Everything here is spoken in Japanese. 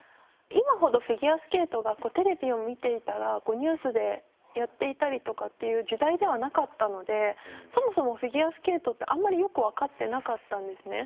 今ほどフィギュアスケートがテレビを見ていたらニュースでやっていたりとかっていう時代ではなかったのでそもそもフィギュアスケートってあんまりよく分かってなかったんですね。